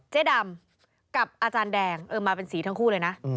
เจ๊ดำกับอาจารย์แดงมาเป็นสีทั้งคู่เลยนะ